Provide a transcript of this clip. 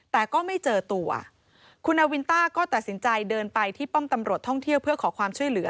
แต่ก็ไม่เจอตัวคุณนาวินต้าก็ตัดสินใจเดินไปที่ป้อมตำรวจท่องเที่ยวเพื่อขอความช่วยเหลือ